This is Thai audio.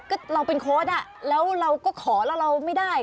ก็เราเป็นโค้ดอ่ะแล้วเราก็ขอแล้วเราไม่ได้